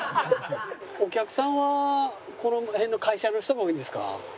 お客さんはこの辺の会社の人が多いんですか？